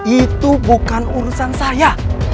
itu bukan urusan saya